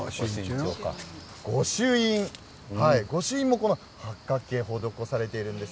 御朱印も八角形が施されているんです。